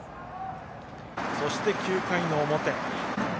そして９回の表。